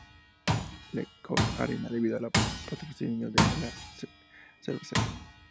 Le Coq Arena" debido al patrocinio de la cervecera.